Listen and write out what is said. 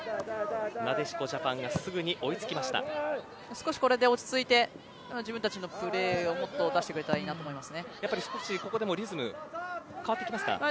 なでしこジャパンが少しこれで落ち着いて自分たちのプレーをもっと出してくれたらいいなやはりここでも少しリズム変わってきますか。